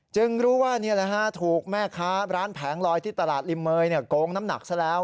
รู้ว่านี่แหละฮะถูกแม่ค้าร้านแผงลอยที่ตลาดริมเมยโกงน้ำหนักซะแล้ว